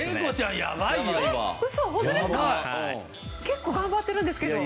結構頑張ってるんですけど。